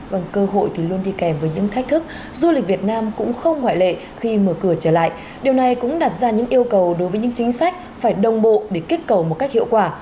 bằng cơ hội thì luôn đi kèm với những thách thức du lịch việt nam cũng không ngoại lệ khi mở cửa trở lại điều này cũng đặt ra những yêu cầu đối với những chính sách phải đồng bộ để kích cầu một cách hiệu quả